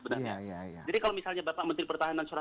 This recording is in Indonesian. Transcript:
jadi kalau misalnya bapak menteri pertahanan